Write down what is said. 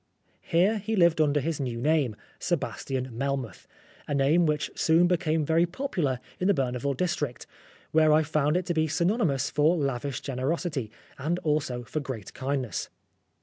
Here he lived under his new name, Sebastian Melmoth, a name which soon became very popular in the Berneval district, where I found it to be synonymous for lavish generosity, and also for great kindness.